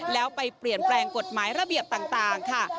แล้วไปเปลี่ยนแปลงกฎหมายระเบียบต่างค่ะ